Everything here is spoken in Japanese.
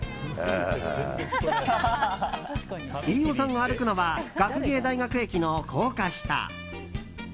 飯尾さんが歩くのは学芸大学駅の高架下。